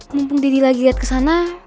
mumpung deddy lagi lihat ke sana